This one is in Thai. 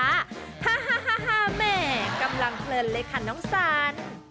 แหม่กำลังเพลินเลยค่ะน้องสัน